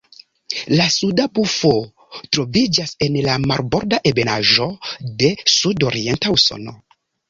La Suda bufo troviĝas en la marborda ebenaĵo de sudorienta Usono.